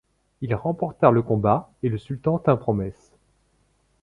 Ils remportèrent le combat et le sultan tint promesse.